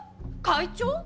会長？